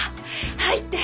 入って！